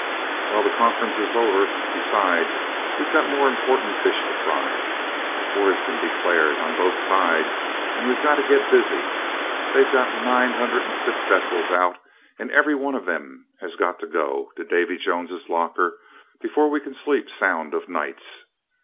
"Well, the conference is over besides, we've got more important fish to fry. War has been declared, on both sides, and we've got to get busy. They've got nine hundred and six vessels out, and every one of them has got to go to Davy Jones' locker before we can sleep sound of nights.